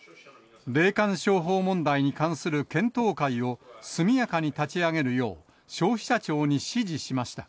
霊感商法問題に関する検討会を速やかに立ち上げるよう、消費者庁に指示しました。